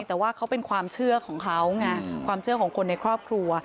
แต่ว่าเขาเป็นความเชื่อของเขาไงความเชื่อของคนในครอบครัว